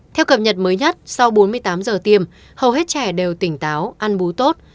theo cập nhật mới nhất sau bốn mươi tám giờ tiêm hầu hết trẻ đều tỉnh táo ăn bú tốt